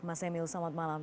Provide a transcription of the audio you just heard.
mas emil selamat malam